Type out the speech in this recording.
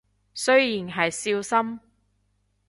雖然係少深